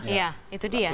iya itu dia